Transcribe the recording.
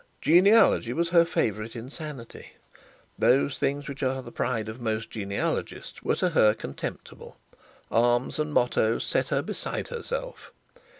Genealogy was her favourite insanity. Those things which are the pride of most genealogists were to her contemptible. Arms and mottoes set her beside herself.